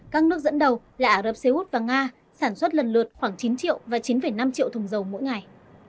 các nước dẫn đầu là ả rập xê út và nga sản xuất lần lượt khoảng chín triệu và chín năm triệu thùng dầu mỗi ngày